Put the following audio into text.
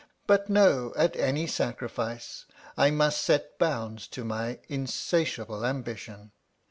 But no at any sacrifice I must set bounds to my insatiable ambition